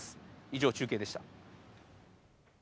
以上、中継でした。